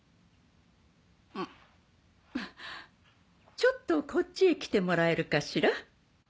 ちょっとこっちへ来てもらえるかしら？